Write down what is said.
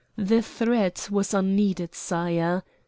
The threat was unneeded, sire.